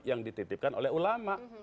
yang dititipkan oleh ulama